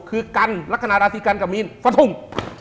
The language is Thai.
คือกันลักษณะราศีกันกับมีนปะทุม